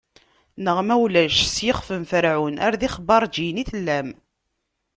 Neɣ ma ulac, s yixf n Ferɛun, ar d ixbaṛǧiyen i tellam.